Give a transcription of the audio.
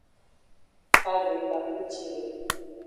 Kave takpucive.